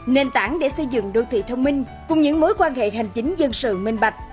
nền tảng để xây dựng đô thị thông minh cùng những mối quan hệ hành chính dân sự minh bạch